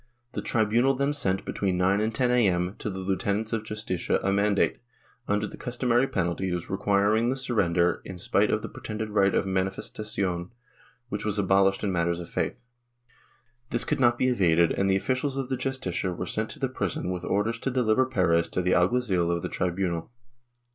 The tri bunal then sent, between 9 and 10 a.m., to the lieutenants of the Justicia a mandate, under the customary penalties, requiring the surrender in spite of the pretended right of manifestacion, which was abolished in matters of faith. This could not be evaded and the officials of the Justicia were sent to the prison with orders to deliver Perez to the alguazil of the tribunal.